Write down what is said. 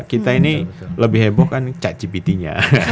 kita ini lebih heboh kan cat gpt nya